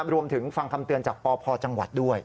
รวมถึงฟังคำเตือนจากปพจังหวัดด้วย